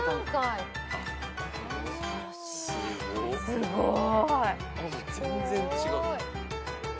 すごーい。